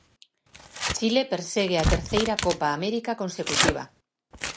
Chile persegue a terceira Copa América consecutiva.